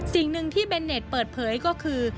สิ่งหนึ่งที่เบนเน็ตเปิดเผยก็คือ